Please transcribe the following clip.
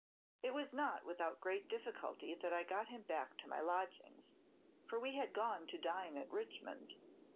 "It was not without great difficulty that I got him back to my lodgings, for we had gone to dine at Richmond.